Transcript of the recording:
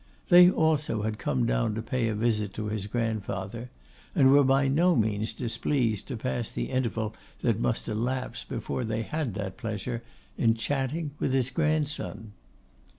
They also had come down to pay a visit to his grandfather, and were by no means displeased to pass the interval that must elapse before they had that pleasure in chatting with his grandson.